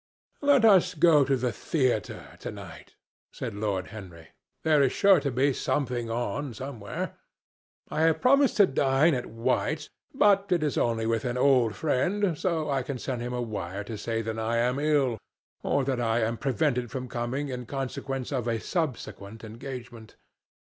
"Let us go to the theatre to night," said Lord Henry. "There is sure to be something on, somewhere. I have promised to dine at White's, but it is only with an old friend, so I can send him a wire to say that I am ill, or that I am prevented from coming in consequence of a subsequent engagement.